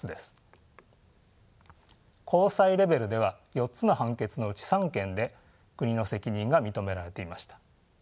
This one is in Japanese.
高裁レベルでは４つの判決のうち３件で国の責任が認められていました。